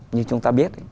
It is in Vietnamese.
như chúng ta biết